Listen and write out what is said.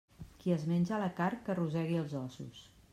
Qui es menja la carn, que rosegui els ossos.